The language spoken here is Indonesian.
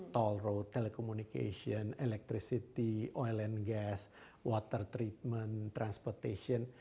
jalan jalanan telekomunikasi elektrisitas minyak dan gas penyelenggaraan air transportasi